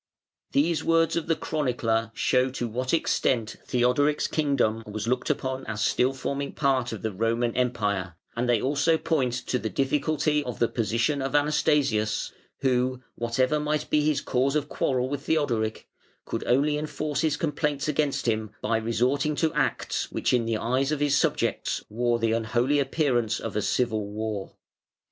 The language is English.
] These words of the chronicler show to what extent Theodoric's kingdom was looked upon as still forming part of the Roman Empire, and they also point to the difficulty of the position of Anastasius, who, whatever might be his cause of quarrel with Theodoric, could only enforce his complaints against him by resorting to acts which in the eyes of his subjects wore the unholy appearance of a civil war.